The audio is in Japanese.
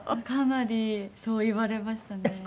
かなりそう言われましたね。